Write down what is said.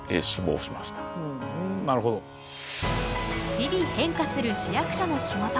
日々変化する市役所の仕事。